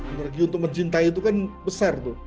energi untuk mencintai itu kan besar tuh